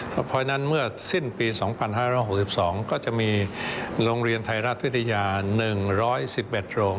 เพราะฉะนั้นเมื่อสิ้นปี๒๕๖๒ก็จะมีโรงเรียนไทยรัฐวิทยา๑๑๑โรง